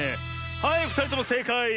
はいふたりともせいかい！